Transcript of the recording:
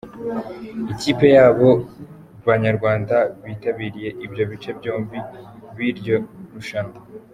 Ikipi y’abo Banyarwanda bitabiriye ibyo bice byombi by’iryo rushanwa.